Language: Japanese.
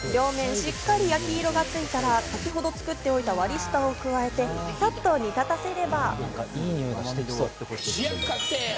両面しっかり焼き色がついたら先ほど作っておいたわりしたを加えてさっと煮立たせれば。